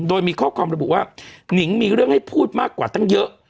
โดยมีข้อความระบุว่านิงมีเรื่องให้พูดมากกว่าตั้งเยอะ